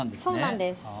そうなんです。